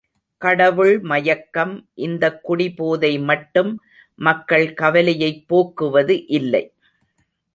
கடவுள் மயக்கம் இந்தக் குடிபோதை மட்டும் மக்கள் கவலையைப் போக்குவது இல்லை.